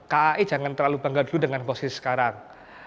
kai jangan terlalu bangga dulu dengan posisi sekarang